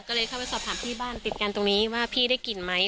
ก็เลยเข้าไปสอบถามที่บ้านติดกันตรงนี้ว่าพี่ได้กลิ่นไหม